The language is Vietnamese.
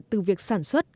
từ việc sản xuất